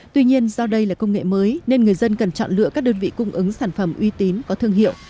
tuy nhiên do đây là công nghệ mới nên người dân cần chọn lựa các đơn vị cung ứng sản phẩm uy tín có thương hiệu